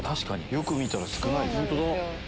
よく見たら少ないですね。